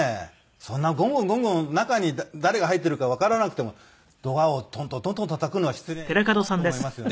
そんなゴンゴンゴンゴン中に誰が入っているかわからなくてもドアをトントントントンたたくのは失礼かなと思いますよね。